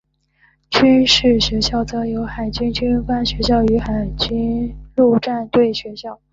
军事学校则有海军军官学校与海军陆战队学校。